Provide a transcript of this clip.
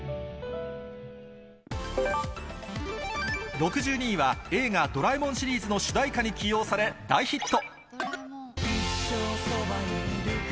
６２位は映画、ドラえもんシリーズの主題歌に起用され、大ヒット。